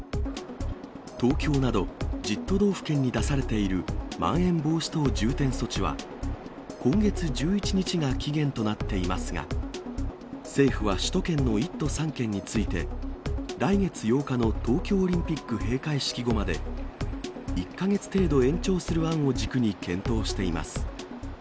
東京など１０都道府県に出されているまん延防止等重点措置は、今月１１日が期限となっていますが、政府は首都圏の１都３県について、来月８日の東京オリンピック閉会式後まで、１か月程度延長する案を軸に検討しています。